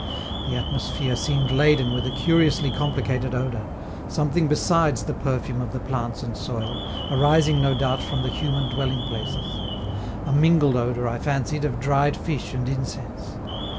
The atmosphere seemed laden with a curiously complicated odor, something besides the perfume of the plants and soil, arising no doubt from the human dwelling places a mingled odor, I fancied, of dried fish and incense.